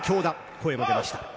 声が出ました。